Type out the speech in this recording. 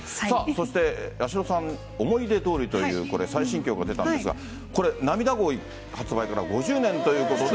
そして、八代さん、想い出通りという最新曲が出たんですが、これ、なみだごい発売から５０年ということで。